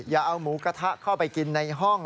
อย่าเอาหมูกระทะเข้าไปกินในห้อง